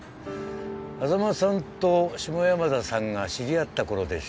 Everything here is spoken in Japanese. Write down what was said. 波佐間さんと下山田さんが知り合った頃でしょ